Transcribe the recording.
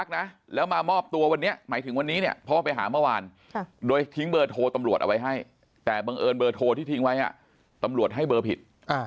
แล้วบังเอิญเบอร์โทรที่ทิ้งไว้ตำรวจให้เบอร์ผิด